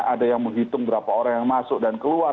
ada yang menghitung berapa orang yang masuk dan keluar